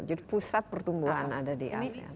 jadi pusat pertumbuhan ada di asean